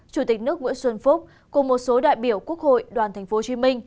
chủ tịch nước nguyễn xuân phúc cùng một số đại biểu quốc hội đoàn tp hcm